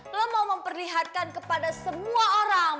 lo mau memperlihatkan kepada semua orang